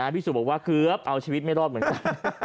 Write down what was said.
พี่สุบอกว่าเกือบเอาชีวิตไม่รอดเหมือนกัน